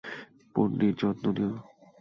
পোন্নির যত্ন নিও।